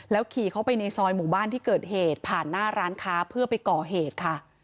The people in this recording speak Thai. ขี่เข้าไปในซอยหมู่บ้านที่เกิดเหตุผ่านหน้าร้านค้าเพื่อไปก่อเหตุค่ะ